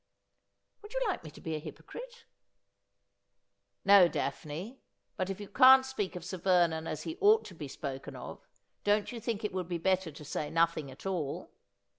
' "Would you like me to be a hypocrite ?'' No, Daphne. But if you can't speak of Sir Vernon as he ought to be spoken of, don't you think it would be better to say nothing at all